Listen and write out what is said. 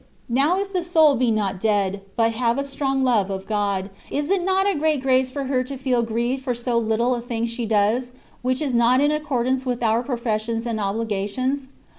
Now if the soul be not dead, but have a strong love of God, is it not a great grace for her to feel grieved for any little thing she does, which is not in accordance with our professions and obli gations